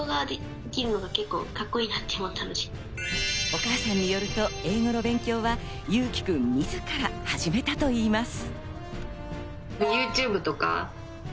お母さんによると英語の勉強は侑輝くん自ら始めたといいます。